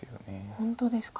本当ですか。